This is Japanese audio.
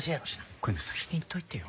こういうの先に言っといてよ。